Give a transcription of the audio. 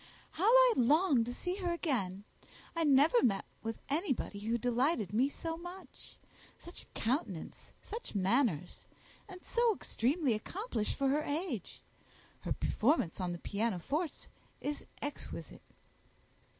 "How I long to see her again! I never met with anybody who delighted me so much. Such a countenance, such manners, and so extremely accomplished for her age! Her performance on the pianoforte is exquisite."